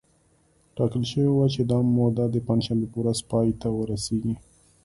ټاکل شوې وه چې دا موده د پنجشنبې په ورځ پای ته ورسېږي